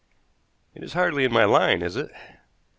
"It is hardly in my line, is it?"